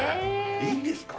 いいんですか？